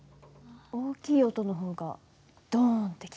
大きい音の方がドンって来た。